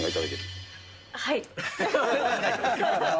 はい。